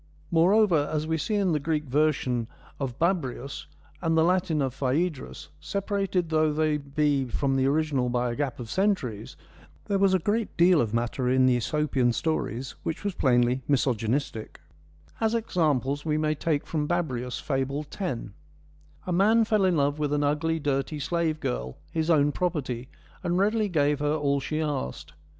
Moreover, as we see in the Greek version of Babu ts and the Latin of Phsedrus, separated though they be from the original by a gap of centuries, there was a great deal of matter in the iEsopian stories which was plainly misogynistic, 52 FEMINISM IN GREEK LITERATURE As examples, we may take from Babrius, Fable 10 : A man fell in love with an ugly, dirty slave girl, his own property, and readily gave her all she asked.